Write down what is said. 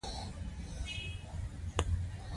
ما ورته وویل: ته نرسه نه یې، ایا کار نه کوې؟